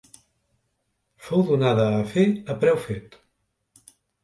Fou donada a fer a preu fet.